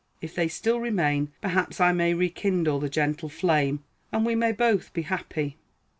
If they still remain, perhaps I may rekindle the gentle flame, and we may both be happy.